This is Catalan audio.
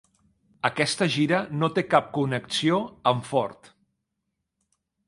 Aquesta gira no té cap connexió amb Ford.